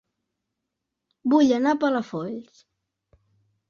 Vull anar a Palafolls